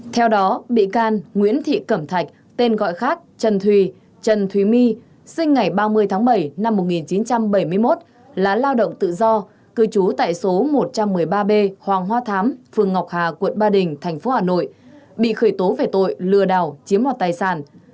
theo đó bị can nguyễn thị cẩm thạch tên gọi khác trần thùy trần thúy my sinh ngày ba mươi tháng bảy năm một nghìn chín trăm bảy mươi một là lao động tự do cư trú tại số một trăm một mươi ba b hoàng hoa thám phường ngọc hà quận ba đình tp hà nội bị khởi tố về tội lừa đảo chiếm mọt tài sản